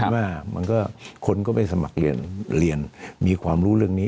ว่ามันก็คนก็ไปสมัครเรียนมีความรู้เรื่องนี้